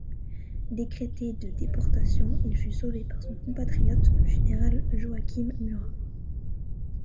Décrété de déportation, il fut sauvé par son compatriote le général Joachim Murat.